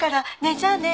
じゃあね。